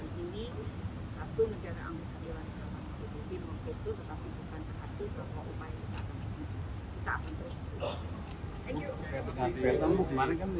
mungkin waktu itu tetap untuk mencantik hati untuk mengupaya keanggotaan palestina